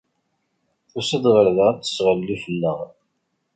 Tusa-d ɣer da ad tesɣalli fell-aɣ.